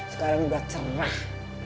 sekarang udah cerah